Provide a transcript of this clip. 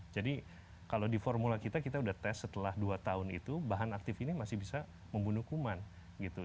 jadi kalau di formula kita kita udah tes setelah dua tahun itu bahan aktif ini masih bisa membunuh kuman gitu